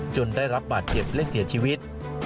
ได้รับบาดเจ็บและเสียชีวิต